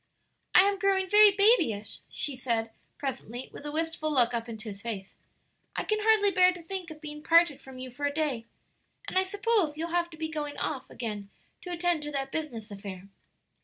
"I am growing very babyish," she said presently with a wistful look up into his face; "I can hardly bear to think of being parted from you for a day; and I suppose you'll have to be going off again to attend to that business affair?"